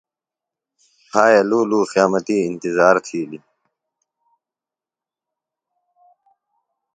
ہائے لُو لُو قیامتی انتظار تِھیلیۡ۔